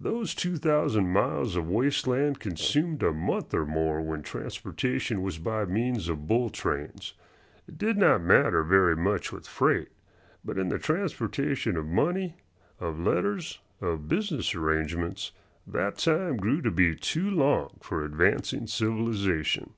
Those two thousand miles of waste land consumed a month or more when transportation was by means of bull trains. It did not matter very much with freight, but in the transportation of money, of letters, of business arrangements that time grew to be too long for advancing civilization.